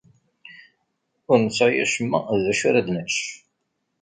Ur nesɛi acemma d acu ara d-nečč.